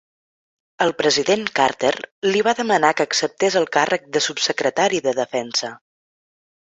El president Carter li va demanar que acceptés el càrrec de Subsecretari de Defensa.